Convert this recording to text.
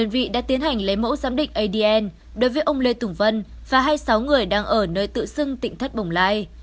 đơn vị đã tiến hành lấy mẫu giám định adn đối với ông lê tùng vân và hai mươi sáu người đang ở nơi tự xưng tỉnh thất bồng lai